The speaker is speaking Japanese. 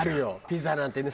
ピザなんてね